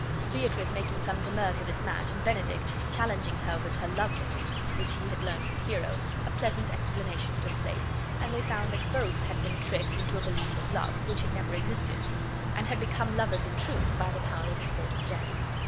Beatrice making some demur to this match, and Benedick challenging her with her love for him, which he had learned from Hero, a pleasant explanation took place; and they found they had both been tricked into a belief of love, which had never existed, and had become lovers in truth by the power of a false jest.